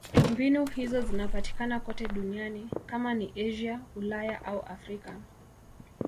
Mbinu hizo zinapatikana kote duniani: kama ni Asia, Ulaya au Afrika.